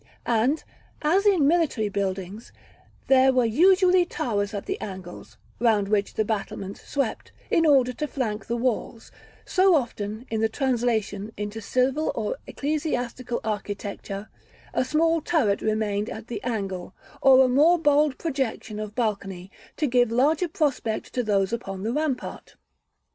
And as, in military buildings, there were usually towers at the angles (round which the battlements swept) in order to flank the walls, so often in the translation into civil or ecclesiastical architecture, a small turret remained at the angle, or a more bold projection of balcony, to give larger prospect to those upon the rampart.